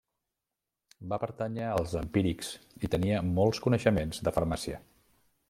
Va pertànyer als empírics i tenia molts coneixements de farmàcia.